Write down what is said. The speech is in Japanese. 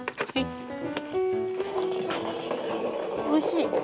おいしい。